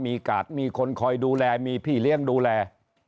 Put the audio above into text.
มีกาดมีคนคอยดูแลมีพี่เลี้ยงดูแล